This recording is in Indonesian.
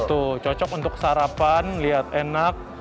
tuh cocok untuk sarapan lihat enak